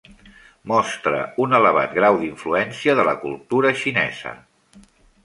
Mostra un elevat grau d'influència de la cultura xinesa.